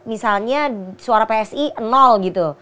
misalnya suara psi gitu